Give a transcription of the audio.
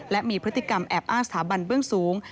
และมีพฤติกรรมแอบอ้างสถาบันเบื้องสูง